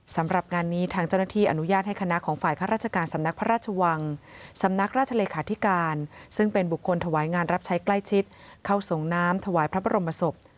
สำหรับงานนี้ทางเจ้าหน้าที่อนุญาตให้คณะของฝ่ายข้าราชการสำนักพระราชวังสำนักราชเลขาธิการซึ่งเป็นบุคคลถวายงานรับใช้ใกล้ชิดเข้าส่งน้ำถวายพระบรมศพ